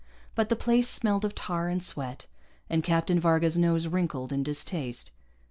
But the place smelled of tar and sweat, and Captain Varga's nose wrinkled in distaste.